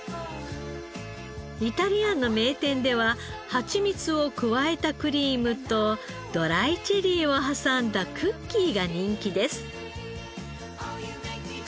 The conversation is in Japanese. イタリアンの名店ではハチミツを加えたクリームとドライチェリーを挟んだクッキーが人気です。